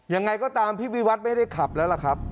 ยังไงก็ตามพี่วิวัตรไม่ได้ขับแล้วล่ะครับ